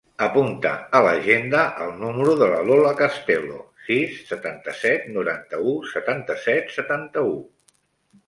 Apunta a l'agenda el número de la Lola Castelo: sis, setanta-set, noranta-u, setanta-set, setanta-u.